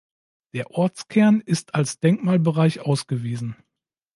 Der Ortskern ist als Denkmalbereich ausgewiesen.